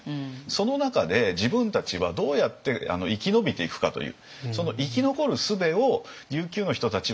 その中で自分たちはどうやって生き延びていくかという。